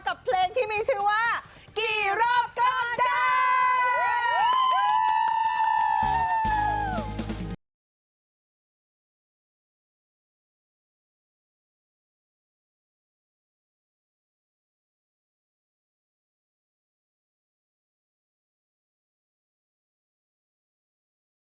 กับเพลงที่มีชื่อว่ากี่รอบก็ได้